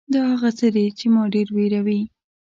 دا هغه څه دي چې ما ډېر وېروي .